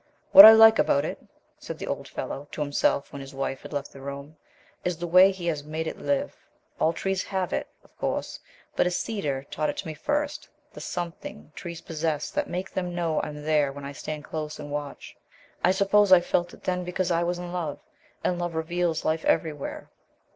"What I like about it," said the old fellow to himself when his wife had left the room, "is the way he has made it live. All trees have it, of course, but a cedar taught it to me first the 'something' trees possess that make them know I'm there when I stand close and watch. I suppose I felt it then because I was in love, and love reveals life everywhere."